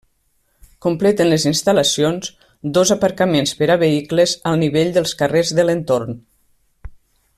Completen les instal·lacions dos aparcaments per a vehicles al nivell dels carrers de l'entorn.